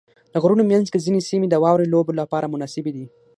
د غرونو منځ کې ځینې سیمې د واورې لوبو لپاره مناسبې دي.